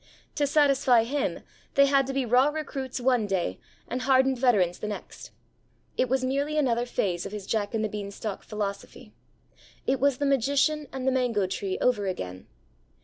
To satisfy him, they had to be raw recruits one day and hardened veterans the next. It was merely another phase of his Jack and the beanstalk philosophy. It was the magician and the mango tree over again.